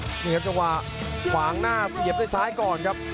เดี๋ยวกันหนึ่งสังหวะขวางหน้าเสียบด้วยไซค์ก่อนครับ